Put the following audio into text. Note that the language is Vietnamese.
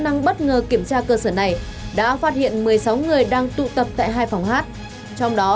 năng bất ngờ kiểm tra cơ sở này đã phát hiện một mươi sáu người đang tụ tập tại hai phòng hát trong đó